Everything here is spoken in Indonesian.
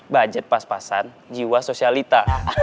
budget pas pasan jiwa sosialita